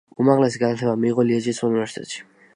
უმაღლესი განათლება მიიღო ლიეჟის უნივერსიტეტში.